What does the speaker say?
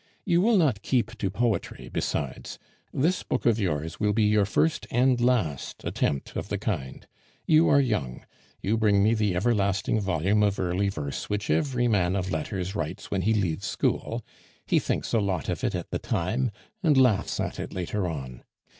You will not keep to poetry besides; this book of yours will be your first and last attempt of the kind. You are young; you bring me the everlasting volume of early verse which every man of letters writes when he leaves school, he thinks a lot of it at the time, and laughs at it later on.